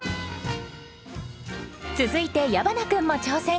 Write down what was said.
続いて矢花君も挑戦。